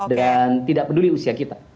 dan tidak peduli usia kita